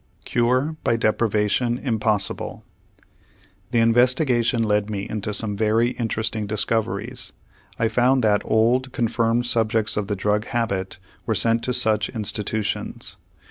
CURE BY DEPRIVATION IMPOSSIBLE This investigation led me into some very interesting discoveries. I found that old, confirmed subjects of the drug habit were sent to such institutions.